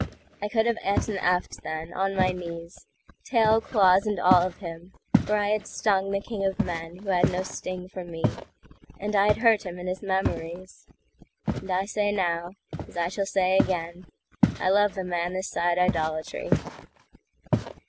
I could have eat an eft then, on my knees, Tail, claws, and all of him; for I had stungThe king of men, who had no sting for me, And I had hurt him in his memories; And I say now, as I shall say again,I love the man this side idolatry.